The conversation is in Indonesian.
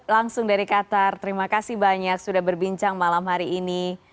langsung dari qatar terima kasih banyak sudah berbincang malam hari ini